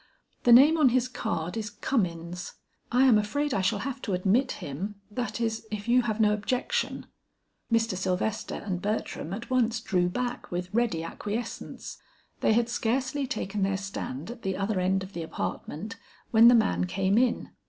The name on his card is Cummins; I am afraid I shall have to admit him, that is, if you have no objection?" Mr. Sylvester and Bertram at once drew back with ready acquiescence. They had scarcely taken their stand at the other end of the apartment, when the man came in.